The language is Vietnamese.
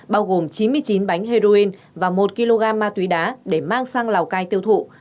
bao gồm chín mươi chín bánh heroin và một kg ma túy đá để mang sang lào cai tiêu thụ